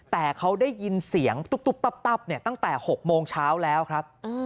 แต่เขาได้ยินเสียงตุ๊บตับตั้งแต่๖โมงเช้าแล้วครับ